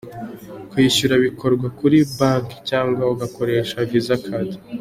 Kwishyura bikorwa kuri banki cyangwa ugakoresha Visa Card.